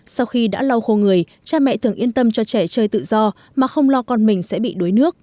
sau khi đã lau khô người cha mẹ thường yên tâm cho trẻ chơi tự do mà không lo con mình sẽ bị đuối nước